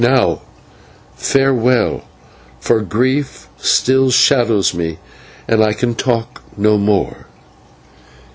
Now farewell, for grief still shadows me, and I can talk no more."